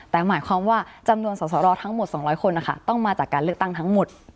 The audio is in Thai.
แต่หมายความว่าจำนวนสสรทั้งหมด๒๐๐คนนะคะต้องมาจากการเลือกตั้งทั้งหมด